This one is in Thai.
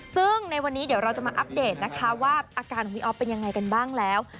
ซึ่งในวันนี้เดี๋ยวเราจะมาอัปเดตนะคะว่าอาการของพี่อ๊อฟเป็นยังไงกันบ้างแล้ว